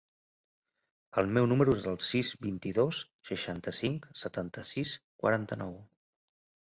El meu número es el sis, vint-i-dos, seixanta-cinc, setanta-sis, quaranta-nou.